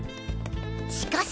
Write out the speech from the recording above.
しかし！